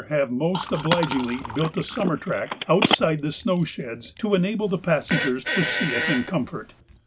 have most obligingly built a summer track outside the snow sheds to enable the passengers to see it in comfort.